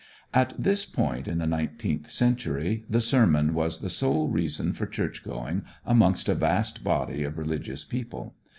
At this point in the nineteenth century the sermon was the sole reason for churchgoing amongst a vast body of religious people.